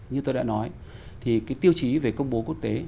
như tôi đã nói thì cái tiêu chí về công bố quốc tế